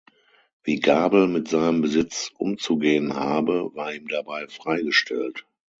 Wie Gabel mit seinem Besitz umzugehen habe, war ihm dabei freigestellt.